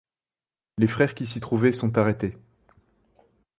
Les frères qui s'y trouvaient sont arrêtés.